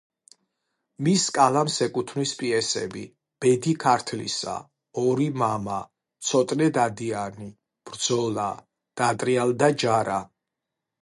მის კალამს ეკუთვნის პიესები: „ბედი ქართლისა“, „ორი მამა“, „ცოტნე დადიანი“, „ბრძოლა“, „დატრიალდა ჯარა“.